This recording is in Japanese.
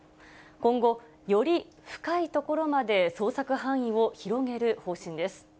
今後、より深い所まで捜索範囲を広げる方針です。